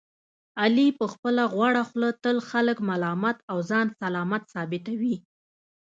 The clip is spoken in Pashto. علي په خپله غوړه خوله تل خلک ملامت او ځان سلامت ثابتوي.